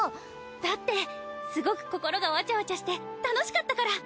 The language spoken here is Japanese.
だってすごく心がワチャワチャして楽しかったから！